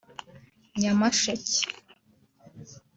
Nyamasheke